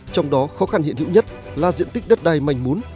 trong đó khó khăn hiện hữu nhất là diện tích đất đai mạnh muốn